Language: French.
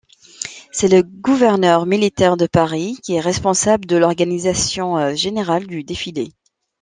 C'est le gouverneur militaire de Paris qui est responsable de l'organisation générale du défilé.